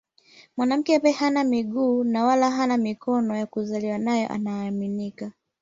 Mwanamke ambaye hana miguu na wala hana mikono ya kuzaliwa nayo anaaminika